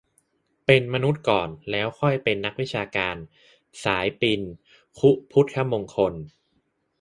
"เป็นมนุษย์ก่อน แล้วค่อยเป็นนักวิชาการ" - สายพิณ ศุพุทธมงคล